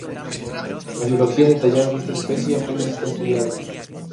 La biología detallada de esta especie apenas está estudiada.